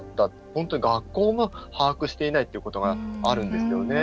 本当に学校が把握していないってことがあるんですよね。